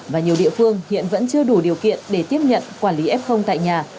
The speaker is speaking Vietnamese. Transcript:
và nhiều địa phương hiện vẫn chưa đủ điều kiện để tiếp nhận quản lý f tại nhà